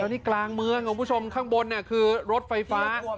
แล้วนี่กลางเมืองครับคุณผู้ชมข้างบนนี่ครับคือรถไฟฟ้า